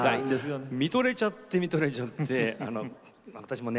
見とれちゃって見とれちゃって。